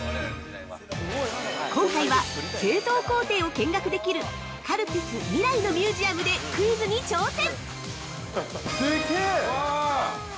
今回は、製造工程を見学できるカルピスみらいのミュージアムでクイズに挑戦。